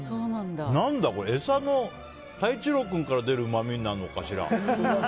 何だこれ、鯛一郎クンから出るうまみなのかしら。